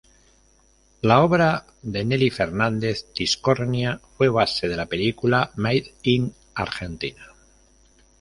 La obra de Nelly Fernández Tiscornia fue base de la película Made in Argentina.